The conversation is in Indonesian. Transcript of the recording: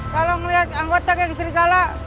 kalau ngeliat anggota kayak sery kala